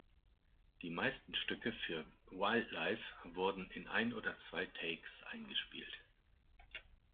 Die meisten Stücke für "Wild Life" wurden in ein oder zwei Takes eingespielt.